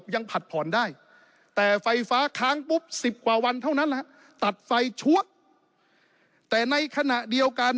ผัดผ่อนได้แต่ไฟฟ้าค้างปุ๊บ๑๐กว่าวันเท่านั้นตัดไฟชัวแต่ในขณะเดียวกัน